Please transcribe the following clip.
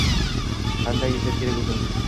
Qanday yashash kerak o’zi?